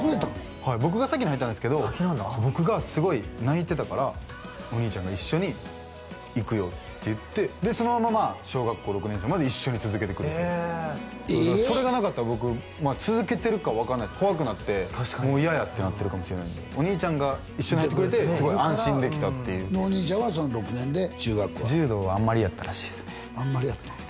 はい僕が先に入ったんですけど僕がすごい泣いてたからお兄ちゃんが「一緒に行くよ」って言ってでそのまま小学校６年生まで一緒に続けてくれてそれがなかったら僕続けてるか分かんないっす怖くなってもう嫌やってなってるかもしれないんでお兄ちゃんが一緒に入ってくれてすごい安心できたっていうでお兄ちゃんは６年で中学校へ柔道はあんまりやったらしいあんまりやったん？